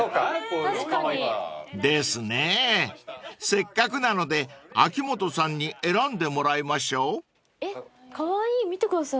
［せっかくなので秋元さんに選んでもらいましょう］えっカワイイ見てください。